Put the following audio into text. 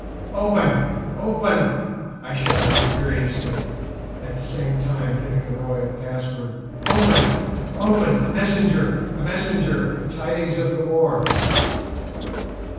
"Open! open!" I shout imperiously, at the same time giving the royal password. "Open! open! a messenger, a messenger with tidings of the war!"